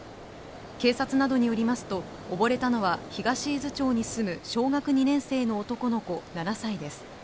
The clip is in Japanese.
警察などによりますと、溺れたのは東伊豆町に住む小学２年生の男の子７歳です。